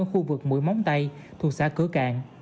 ở khu vực mũi móng tây thuộc xã cửa cạn